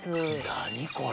何これ。